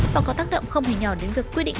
và có tác động không hề nhỏ đến việc quy định